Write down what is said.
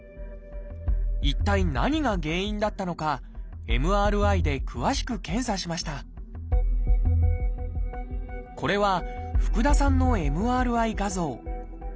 一体何が原因だったのかＭＲＩで詳しく検査しましたこれは福田さんのＭＲＩ画像。